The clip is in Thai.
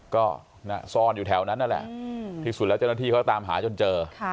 ก็ซ่อนอยู่แถวนั้นนั่นแหละที่สุดแล้วเจ้าหน้าที่เขาตามหาจนเจอ